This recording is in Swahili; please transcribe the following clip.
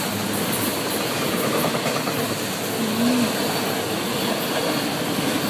Umuhimu wa viazi lishe kwa afya